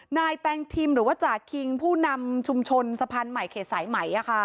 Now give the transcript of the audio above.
แตงทิมหรือว่าจ่าคิงผู้นำชุมชนสะพานใหม่เขตสายไหม